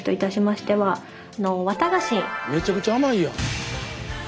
めちゃくちゃ甘いやん。